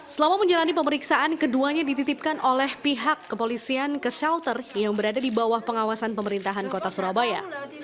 selama menjalani pemeriksaan keduanya dititipkan oleh pihak kepolisian ke shelter yang berada di bawah pengawasan pemerintahan kota surabaya